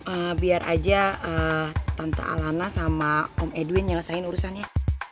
eh biar aja tanto alana sama om edwin nyelesain urusannya